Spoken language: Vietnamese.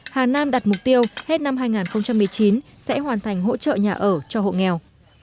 hà nam đặt mục tiêu hết năm hai nghìn một mươi chín sẽ hoàn thành hỗ trợ nhà ở cho hộ nghèo